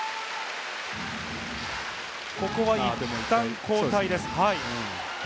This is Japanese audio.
ここはいったん交代です。